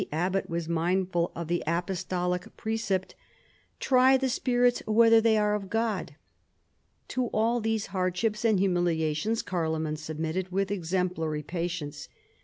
bbot was mindful of the apostolic precept, " Try ihe spirits whether they are of God." To all these hardships and humiliations Carloman submitted with exemplary patience.